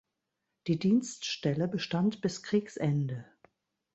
Die Dienststelle bestand bis Kriegsende.